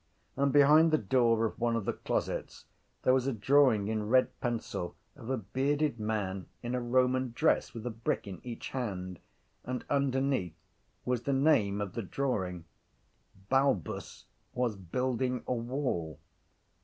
And behind the door of one of the closets there was a drawing in red pencil of a bearded man in a Roman dress with a brick in each hand and underneath was the name of the drawing: _Balbus was building a wall.